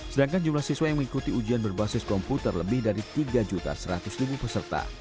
sedangkan jumlah siswa yang mengikuti ujian berbasis komputer lebih dari tiga seratus peserta